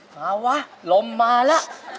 มาวะลมมาล่ะ